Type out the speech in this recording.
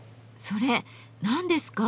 それ何ですか？